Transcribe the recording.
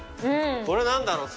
これ何だろう？